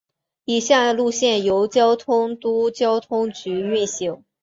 以下路线由东京都交通局运行。